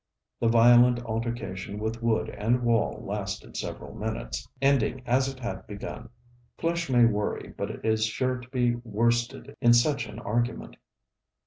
The violent altercation with wood and wall lasted several minutes, ending as it had begun. Flesh may worry, but is sure to be worsted in such an argument.